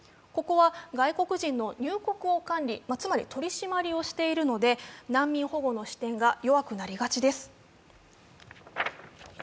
ここは外国人の入国を管理、つまり取り締まりをしているので難民保護の視点が弱くなりがちです。